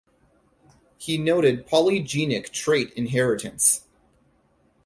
He noted polygenic trait inheritance.